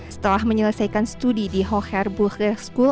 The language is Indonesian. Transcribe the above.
setelah menyelesaikan studi di hoher bukhe school